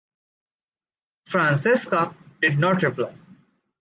Francesca did not reply.